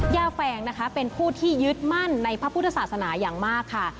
แฟงนะคะเป็นผู้ที่ยึดมั่นในพระพุทธศาสนาอย่างมากค่ะ